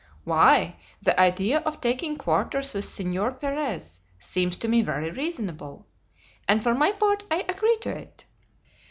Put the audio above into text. "Why, the idea of taking quarters with Senor Perez seems to me very reasonable, and for my part I agree to it.